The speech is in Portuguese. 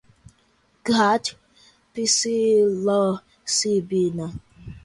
khat, psilocibina